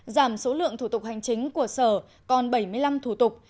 giảm số lượng thủ tục hành chính của sở còn bảy mươi năm thủ tục